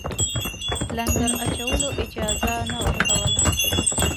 لنګر اچولو اجازه نه ورکوله.